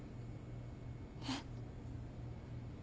えっ？